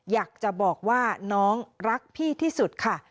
อยากจะบอกว่าน้องรักพี่ที่สุดค่ะ